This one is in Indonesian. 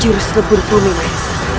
jurus lebur bumi nais